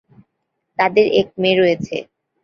তাঁদের এক মেয়ে রয়েছে।